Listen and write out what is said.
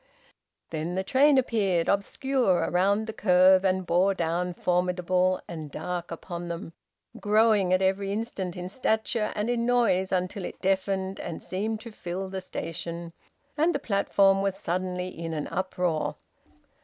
Then the train appeared, obscure round the curve, and bore down formidable and dark upon them, growing at every instant in stature and in noise until it deafened and seemed to fill the station; and the platform was suddenly in an uproar.